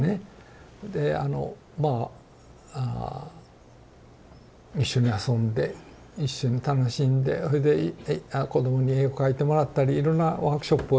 であの一緒に遊んで一緒に楽しんでそれで子どもに絵を描いてもらったりいろんなワークショップをしながらね。